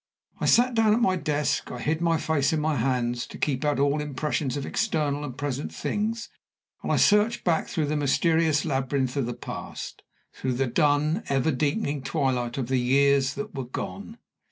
I sat down at my desk; I hid my face in my hands to keep out all impressions of external and present things; and I searched back through the mysterious labyrinth of the Past, through the dun, ever deepening twilight of the years that were gone.